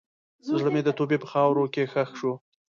زړه مې د توبې په خاوره کې ښخ شو.